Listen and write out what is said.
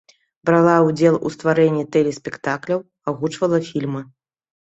Брала ўдзел у стварэнні тэлеспектакляў, агучвала фільмы.